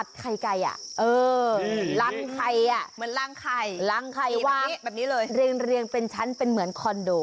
ตอนในวงการลางไข่เล็งเหมือนคอนโด